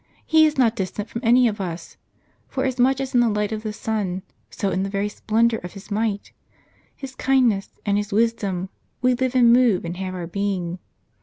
" He is not distant from any of us ; for as much as in the light of the sun, so in the very splendor of His might. His kindness, and His wisdom, we live and move and have our being.